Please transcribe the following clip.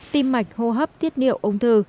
tim mạch hô hấp tiết niệu ung thư